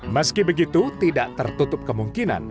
meski begitu tidak tertutup kemungkinan